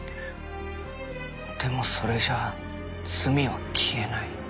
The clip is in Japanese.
でもそれじゃ罪は消えない。